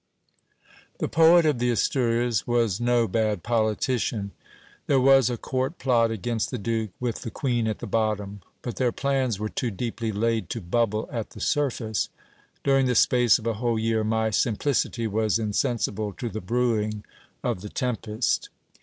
The poet of the Asturias was no bad politician. There was a court plot against the duke, with the queen at the bottom ; but their plans were too deeply laid to bubble at the surface. During the space of a whole year, my simplicity was insensible to the brewing of the tempest.